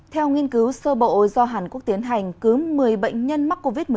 theo nghiên cứu sơ bộ do hàn quốc tiến hành cứ một mươi bệnh nhân mắc covid một mươi chín